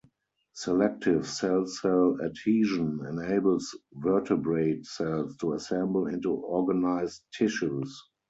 Selective cell-cell adhesion enables vertebrate cells to assemble into organised tissues.